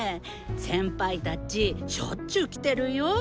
先輩たちしょっちゅう来てるよ。